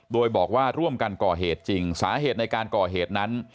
โดยบอกว่าร่วมกันก่อเหตุจริงสาเหตุในการก่อเหตุนั้น